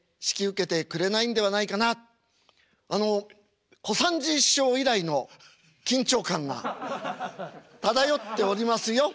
あの小三治師匠以来の緊張感が漂っておりますよ。